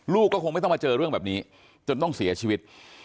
ก็คงไม่ต้องมาเจอเรื่องแบบนี้จนต้องเสียชีวิต